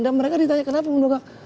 dan mereka ditanya kenapa menunggak